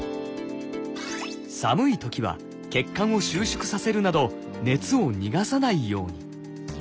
寒い時は血管を収縮させるなど熱を逃がさないように。